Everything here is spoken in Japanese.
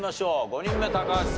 ５人目高橋さん